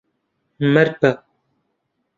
مەرد بە.